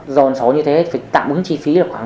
dồn số như thế thì tạm ứng chi phí là khoảng